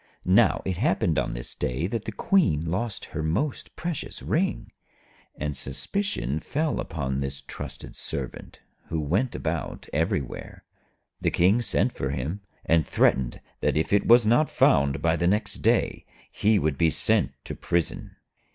Now it happened on this day that the Queen lost her most precious ring, and suspicion fell upon this trusted Servant who went about everywhere. The King sent for him, and threatened that if it was not found by the next day, he would be sent to prison.